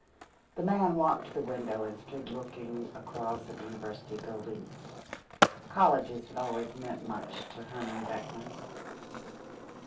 The man walked to the window and stood looking across at the university buildings. Colleges had always meant much to Herman Beckman.